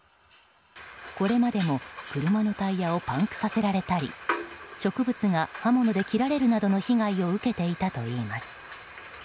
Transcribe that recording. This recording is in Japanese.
これまでも車のタイヤをパンクさせられたり植物が刃物で切られるなどの被害を受けていたといいます。